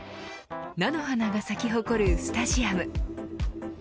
菜の花が咲き誇るスタジアム。